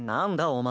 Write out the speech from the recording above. お前。